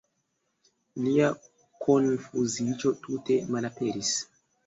Lia konfuziĝo tute malaperis.